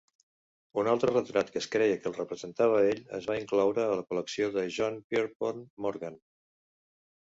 Un altre retrat que es creia que el representava a ell es va incloure a la col·lecció de John Pierpont Morgan.